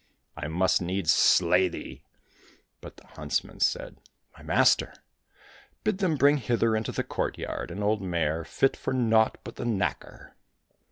" I must needs slay thee !" But the huntsman said, " My master, bid them bring hither into the courtyard an old mare fit for naught but the knacker."